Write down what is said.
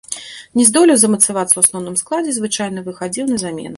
Не здолеў замацавацца ў асноўным складзе, звычайна выхадзіў на замену.